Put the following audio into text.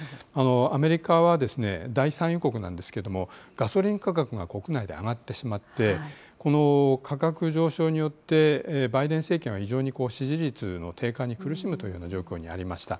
アメリカはですね、大産油国なんですけれども、ガソリン価格が国内で上がってしまって、この価格上昇によって、バイデン政権は非常に支持率の低下に苦しむという状況にありました。